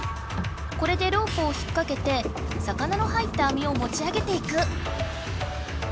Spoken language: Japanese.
これでロープをひっかけて魚の入った網をもちあげていく。